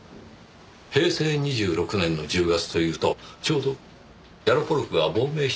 平成２６年の１０月というとちょうどヤロポロクが亡命した時期ですねぇ。